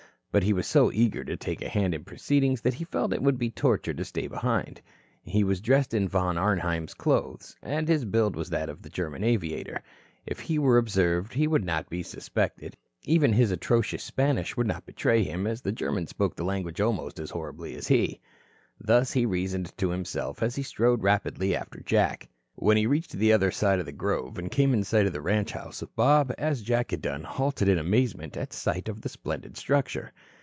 But he was so eager to take a hand in proceedings that he felt it would be torture to stay behind. He was dressed in Von Arnheim's clothes. And his build was that of the German aviator. If he were observed, he would not be suspected. Even his atrocious Spanish would not betray him, as the German spoke the language almost as horribly as he. Thus he reasoned to himself, as he strode rapidly after Jack. When he reached the other side of the grove, and came in sight of the ranch house Bob, as Jack had done, halted in amazement at sight of the splendid structure.